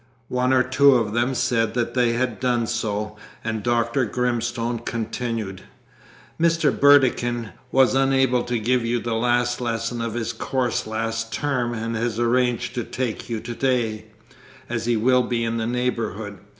One or two of them said they had done so, and Dr. Grimstone continued: "Mr. Burdekin was unable to give you the last lesson of his course last term, and has arranged to take you to day, as he will be in the neighbourhood.